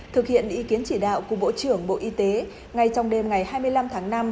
thực hiện ý kiến chỉ đạo của bộ trưởng bộ y tế ngay trong đêm ngày hai mươi năm tháng năm